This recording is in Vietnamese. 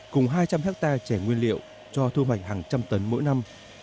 cùng hai trăm linh hectare trẻ nguyên liệu cho thu hoạch hàng trăm tấn mỗi năm